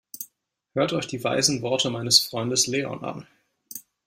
Hört euch die weisen Worte meines Freundes Leon an!